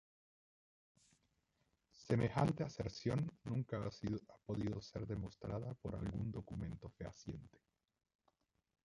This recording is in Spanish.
Semejante aserción nunca ha podido ser demostrada por algún documento fehaciente.